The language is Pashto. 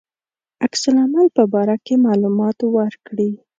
عکس العمل په باره کې معلومات ورکړي.